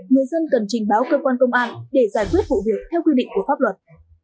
người dân cần trình báo cơ quan công an để giải quyết vụ việc theo quy định của pháp luật